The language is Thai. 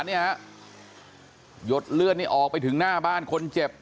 เนี่ยหยดเลือดนี่ออกไปถึงหน้าบ้านคนเจ็บ